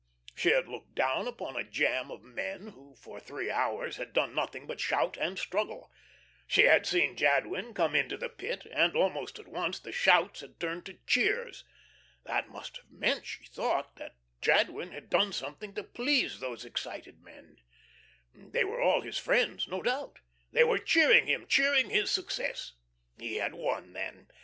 She had looked down upon a jam of men, who for three hours had done nothing but shout and struggle. She had seen Jadwin come into the Pit, and almost at once the shouts had turned to cheers. That must have meant, she thought, that Jadwin had done something to please those excited men. They were all his friends, no doubt. They were cheering him cheering his success. He had won then!